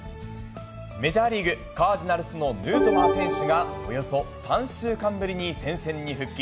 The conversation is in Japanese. メジャーリーグ・カージナルスのヌートバー選手が、およそ３週間ぶりに戦線に復帰。